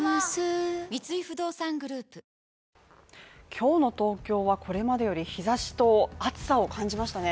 今日の東京はこれまでより日差しと暑さを感じましたね